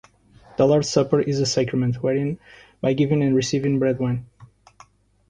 The Lord’s Supper is a sacrament, wherein, by giving and receiving bread and wine